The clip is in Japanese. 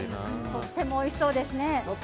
とってもおいしそうですね。